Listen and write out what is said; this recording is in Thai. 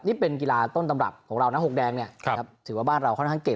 นี่เป็นกีฬาต้นตำรับของเรานะ๖แดงเนี่ยถือว่าบ้านเราค่อนข้างเก่ง